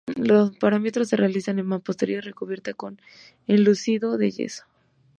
Los paramentos se realzan en mampostería recubierta con enlucido de yeso.